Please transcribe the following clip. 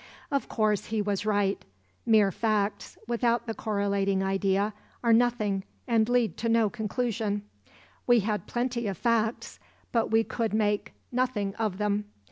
Of course, he was right; mere facts, without the correlating idea, are nothing and lead to no conclusion. We had plenty of facts, but we could make nothing of them.